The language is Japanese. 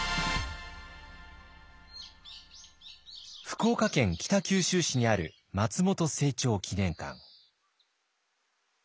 福岡県北九州市にある松本清張記念館。